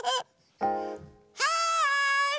はい！